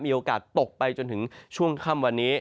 โอกาสตกไปจนถึงช่วงค่ำวันนี้